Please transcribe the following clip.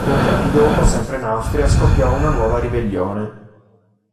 Pochi anni dopo, sempre in Austria, scoppiò una nuova ribellione.